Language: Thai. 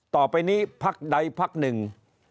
ต่อไปนี้พักใดพักหนึ่ง